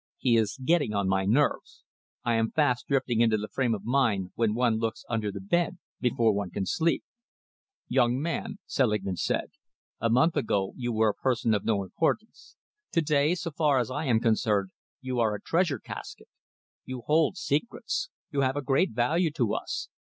He is getting on my nerves. I am fast drifting into the frame of mind when one looks under the bed before one can sleep." "Young man," Selingman said, "a month ago you were a person of no importance. To day, so far as I am concerned, you are a treasure casket. You hold secrets. You have a great value to us.